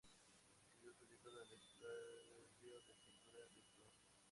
Recibió su título en el estudio de pintura del Prof.